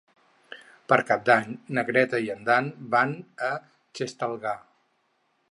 Per Cap d'Any na Greta i en Dan van a Xestalgar.